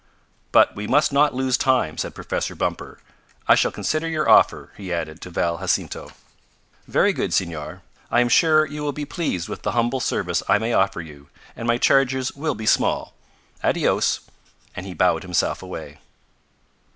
"But we must not lose time," said Professor Bumper. "I shall consider your offer," he added to Val Jacinto. "Very good, Senor. I am sure you will be pleased with the humble service I may offer you, and my charges will be small. Adios," and he bowed himself away.